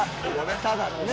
ただのね。